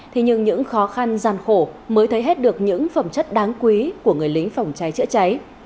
thế nhưng những khó khăn gian khổ mới thấy hết được những phẩm chất đáng quý của người lính phòng cháy chữa cháy